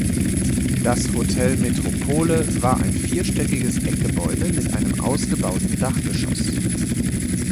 Das Hotel Metropole war ein vierstöckiges Eckgebäude mit einem ausgebauten Dachgeschoss.